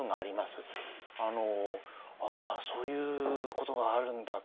ああそういうことがあるんだと。